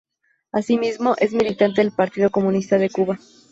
Asimismo, es militante del Partido Comunista de Cuba.